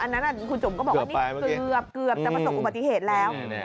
อันนั้นคุณจุ๋มก็บอกว่าเนี้ยเกือบเกือบจะผสมอุบัติเหตุแล้วอืม